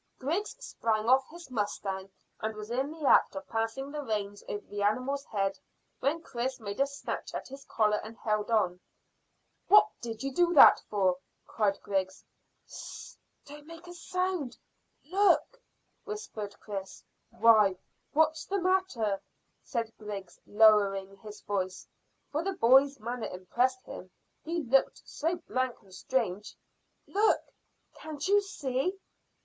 Griggs sprang off his mustang, and was in the act of passing the reins over the animal's head, when Chris made a snatch at his collar and held on. "What did you do that for?" cried Griggs. "Hist! Don't make a sound. Look," whispered Chris. "Why, what's the matter?" said Griggs, lowering his voice, for the boy's manner impressed him, he looked so blank and strange. "Look! Can't you see?"